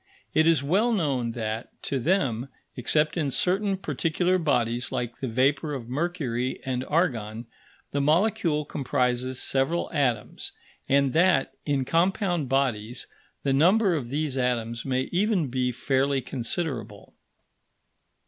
It is well known that, to them, except in certain particular bodies like the vapour of mercury and argon, the molecule comprises several atoms, and that, in compound bodies, the number of these atoms may even be fairly considerable.